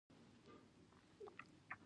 کندهار ته په راتګ یې خبر شوی نه وم.